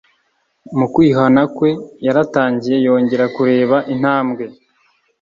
mu kwihana kwe, yaratangiye yongera kureba intambwe